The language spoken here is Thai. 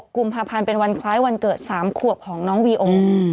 กุมภาพันธ์เป็นวันคล้ายวันเกิด๓ขวบของน้องวีโอ